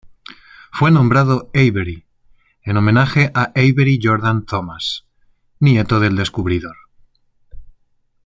Fue nombrado Avery en homenaje a "Avery Jordan Thomas" nieto del descubridor.